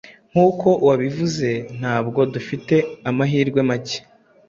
Nkuko wabivuze, ntabwo dufite amahirwe make.